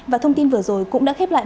và thông tin vừa rồi cũng đã khép lại